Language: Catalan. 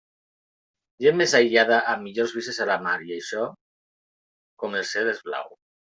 Gent més aïllada, amb millors vistes a la mar, i això, com el cel, és blau.